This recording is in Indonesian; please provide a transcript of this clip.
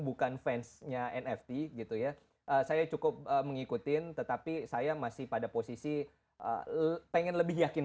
bukan fansnya nft gitu ya saya cukup mengikuti tetapi saya masih pada posisi pengen lebih yakin